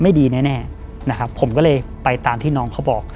ไม่ดีแน่นะครับผมก็เลยไปตามที่น้องเขาบอก